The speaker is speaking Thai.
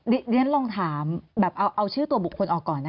ดิฉันลองถามเอาชื่อตัวบุคคลออกก่อนนะคะ